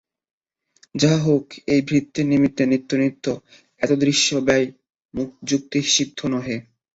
যাহা হউক, এক ভৃত্যের নিমিত্ত নিত্য নিত্য এতাদৃশ ব্যয় যুক্তিসিদ্ধ নহে।